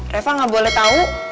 reva gak boleh tau